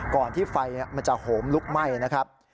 ที่ไฟมันจะโหมลุกไหม้นะครับ